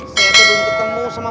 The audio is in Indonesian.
saya tidur untuk temu sama